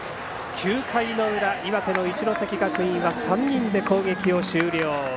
９回の裏、岩手の一関学院は３人で攻撃を終了。